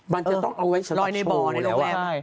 มันจะต้องเอาไว้สะดับโชว์แล้วอ่ะ